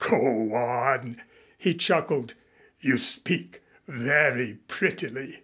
"Go on," he chuckled, "you speak very prettily."